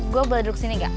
gue boleh duduk sini gak